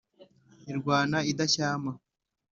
irwana idashyama